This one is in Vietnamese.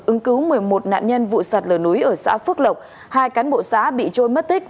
ứng cứu một mươi một nạn nhân vụ sạt lở núi ở xã phước lộc hai cán bộ xã bị trôi mất tích